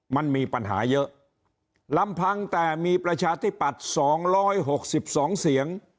มันมีปัญหาเยอะลำพังแต่มีประชาธิบัติสองร้อยหกสิบสองเสียง